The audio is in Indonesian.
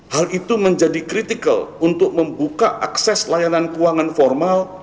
hal itu menjadi kritikal untuk membuka akses layanan keuangan formal